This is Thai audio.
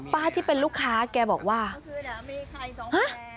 ป้าที่เป็นลูกค้าแกบอกว่าเมื่อคืนอ่ะไม่มีใครจองแวน